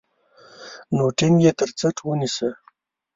نو ټينګ يې تر څټ ونيسه.